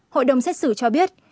hội đồng xét xử cho biết